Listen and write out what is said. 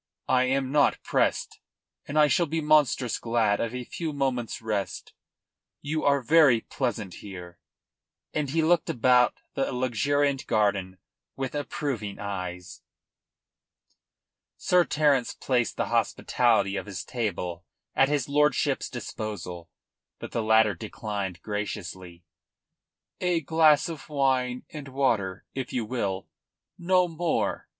I am not pressed, and I shall be monstrous glad of a few moments' rest. You are very pleasant here," and he looked about the luxuriant garden with approving eyes. Sir Terence placed the hospitality of his table at his lordship's disposal. But the latter declined graciously. "A glass of wine and water, if you will. No more.